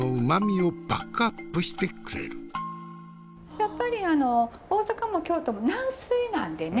やっぱり大阪も京都も軟水なんでね